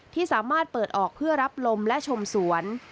ที่สามารถเปิดออกเพื่อรับลมและชมสวน